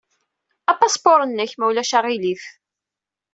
Apaspuṛ-nnek, ma ulac aɣilif.